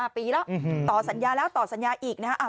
ปีแล้วต่อสัญญาแล้วต่อสัญญาอีกนะฮะ